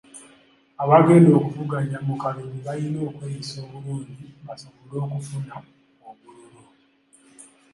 Abagenda okuvuganya mu kalulu balina okweyisa obulungi basobole okufuna obululu.